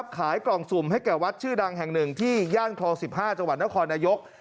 ขายกล่องสุ่มให้แก่วัดชื่อดังแห่งหนึ่งที่ย่านคลอง๑๕จังหวัดนครนายก